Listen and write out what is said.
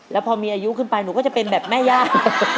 แล้วพอมีอายุขึ้นไปหนูก็จะเป็นแบบแม่ย่า